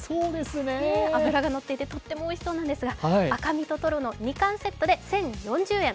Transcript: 脂が乗っていて、とてもおいしそうなんですが、赤身とトロの２貫セットで１０４０円。